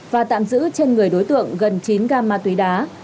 và tạm giữ trên người đối tượng gần chín gam ma túy đá